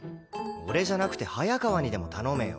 俺じゃなくて早川にでも頼めよ。